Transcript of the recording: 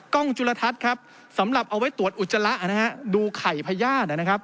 จุลทัศน์ครับสำหรับเอาไว้ตรวจอุจจาระนะฮะดูไข่พญาตินะครับ